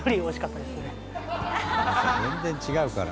全然違うから。